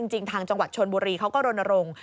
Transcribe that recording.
จริงทางจังหวัดชนบุรีเขาก็รณรงค์